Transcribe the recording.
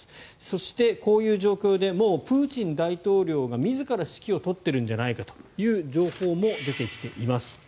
そして、こういう状況でもうプーチン大統領が自ら指揮を執ってるんじゃないかという情報も出てきています。